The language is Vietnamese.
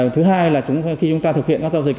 thứ hai là khi chúng ta thực hiện các giao dịch